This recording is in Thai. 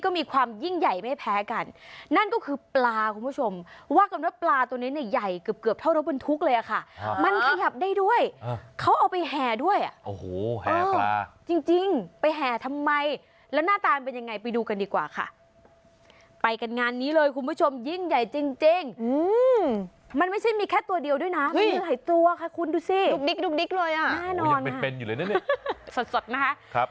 มีขบบนแห่ปลาและทำไมมันต้องไยขนาดนี้ถามผู้รู้เลยดีกว่าค่ะ